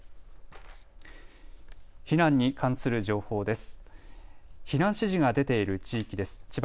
避難に関する情報です。